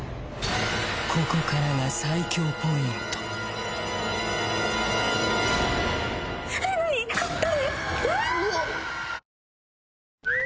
ここからが最恐ポイントえっ何？誰？